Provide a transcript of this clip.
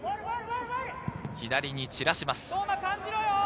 左に散らします。